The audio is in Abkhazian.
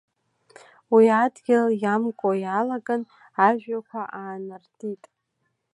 Уи адгьыл иамкуа иалаган, ажәҩақәа аанартит.